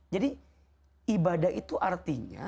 jadi ibadah itu artinya